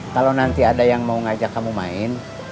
kalau nanti ada yang mau ngajak kamu main